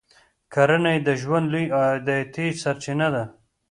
کرنه یې د ژوند لویه عایداتي سرچینه ده.